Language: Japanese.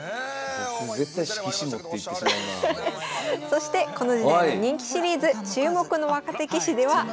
そしてこの時代の人気シリーズ「注目の若手棋士」では天彦先生ですね。